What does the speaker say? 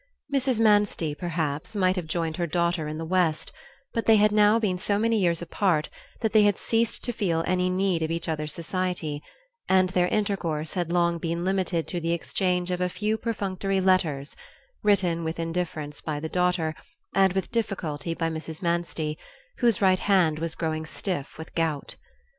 Mrs. Manstey, perhaps, might have joined her daughter in the West, but they had now been so many years apart that they had ceased to feel any need of each other's society, and their intercourse had long been limited to the exchange of a few perfunctory letters, written with indifference by the daughter, and with difficulty by Mrs. Manstey, whose right hand was growing stiff with gout.